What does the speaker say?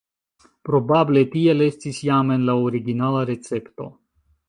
Probable tiel estis jam en la originala recepto.